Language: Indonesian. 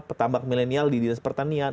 petambak milenial di dinas pertanian